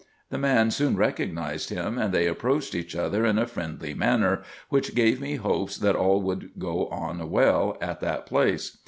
The man soon recognised him, and they approached each other in a friendly manner, wliich gave me hopes that all would go on well at that place.